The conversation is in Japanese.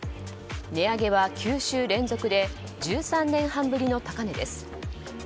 値上げは９週連続で１３年半ぶりの高値です。